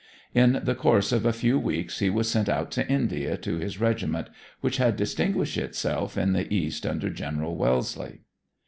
In the course of a few weeks he was sent out to India to his regiment, which had distinguished itself in the East under General Wellesley.